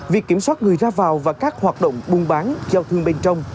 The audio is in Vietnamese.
việc kiểm soát người ra vào và các hoạt động buôn bán giao thương bên trong